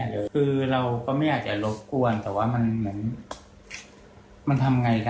คึอเราก็ไม่อยากจะรบกวนแต่ว่ามันมันทำไงก็ได้